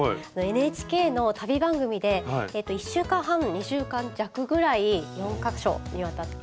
ＮＨＫの旅番組で１週間半２週間弱ぐらい４か所にわたって。